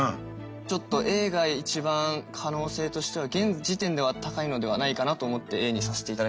ちょっとＡが一番可能性としては現時点では高いのではないかなと思ってＡにさせていただきました。